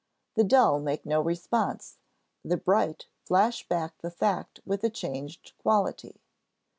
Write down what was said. The dull make no response; the bright flash back the fact with a changed quality.